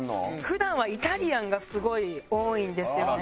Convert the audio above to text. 普段はイタリアンがすごい多いんですよね。